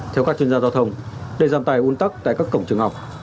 theo các chuyên gia giao thông để giảm tài un tắc tại các cổng trường học